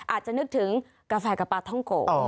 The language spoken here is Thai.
อาจจะนึกถึงกาแฟกับปลาท่องโก